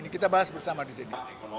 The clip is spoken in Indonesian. ini kita bahas bersama di sini